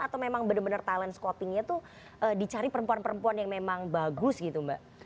atau memang benar benar talent scoutingnya tuh dicari perempuan perempuan yang memang bagus gitu mbak